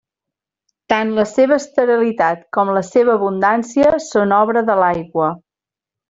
Tant la seva esterilitat com la seva abundància són obra de l'aigua.